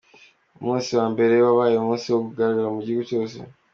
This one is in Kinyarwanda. Umusu wa mbere wabaye umusi wo kugandara mu gihugu cose.